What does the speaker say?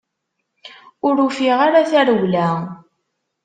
Ur ufiɣ ara tarewla.